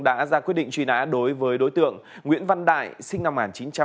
đã ra quyết định truy nã đối với đối tượng nguyễn văn đại sinh năm một nghìn chín trăm tám mươi